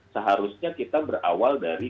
seharusnya kita berawal dari